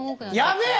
やべえ！